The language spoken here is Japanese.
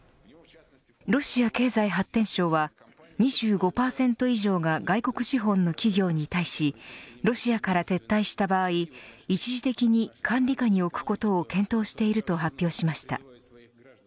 ロシア経済発展省は２５％以上が外国資本の企業に対しロシアから撤退した場合一時的に管理下に置くことを検討していると発表しました。